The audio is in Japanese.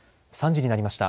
３時になりました。